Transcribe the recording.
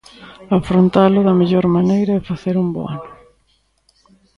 Afrontalo da mellor maneira e facer un bo ano.